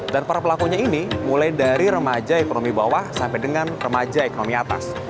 dan para pelakunya ini mulai dari remaja ekonomi bawah sampai dengan remaja ekonomi atas